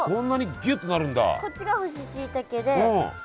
こっちが干ししいたけで。